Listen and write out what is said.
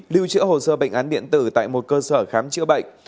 lưu trữ hồ sơ bệnh án điện tử tại một cơ sở khám chữa bệnh